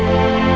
jangan bawa dia